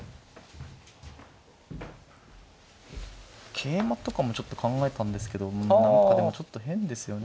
桂馬とかもちょっと考えたんですけど何かでもちょっと変ですよね。